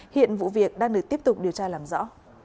hiện vụ việc đang được tiếp tục điều tra làm rõ